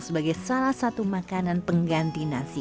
sebagai salah satu makanan pengganti nasi